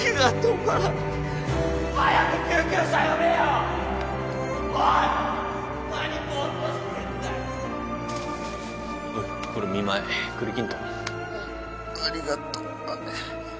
んありがとう。